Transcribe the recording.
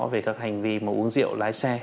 về các hành vi mà uống rượu lái xe